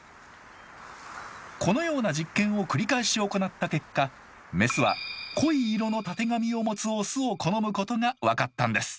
このような実験を繰り返し行った結果メスは濃い色のたてがみを持つオスを好むことが分かったんです。